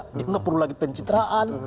tidak perlu lagi pencitraan